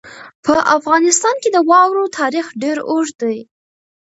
په افغانستان کې د واورو تاریخ ډېر اوږد دی.